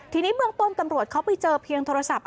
ทีนี้เบื้องต้นตำรวจเขาไปเจอเพียงโทรศัพท์